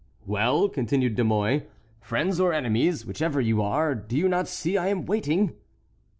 "Well," continued De Mouy, "friends or enemies, whichever you are, do you not see I am waiting?"